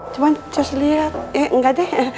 cuman cez liat eh enggak deh